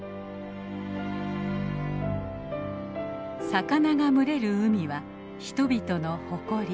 魚が群れる海は人々の誇り。